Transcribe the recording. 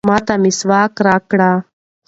ما ته مسواک راکړه.